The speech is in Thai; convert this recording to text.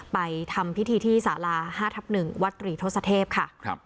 ไปทำพิธีที่สารา๕ทับ๑วัดตรีทศเทพค่ะ